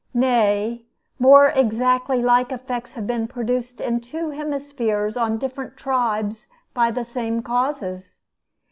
Nay, more, exactly like effects have been produced in two hemispheres on different tribes by the same causes.